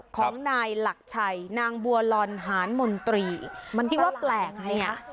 ของนายหลักชัยนางบัวลอนหานมนตรีมันที่ว่าแปลกเนี่ย